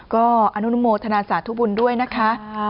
ก็อนุโมทนาสาธุบุญด้วยนะคะ